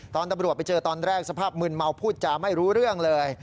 ตอนตำรวจไปเจอตอนแรกสภาพมึนเมาพูดจาไม่รู้เรื่องเลย